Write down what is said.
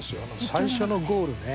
最初のゴールね